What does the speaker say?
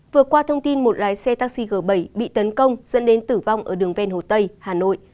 vừa qua thông tin một lái xe taxi g bảy bị tấn công dẫn đến tử vong ở đường ven hồ tây hà nội